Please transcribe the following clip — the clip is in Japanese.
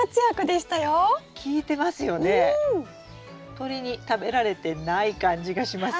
鳥に食べられてない感じがします。